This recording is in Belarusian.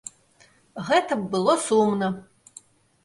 Гэта б было сумна.